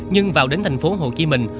nhưng vào đến thành phố hồ chí minh